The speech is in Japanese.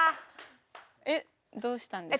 えっどうしたんですか？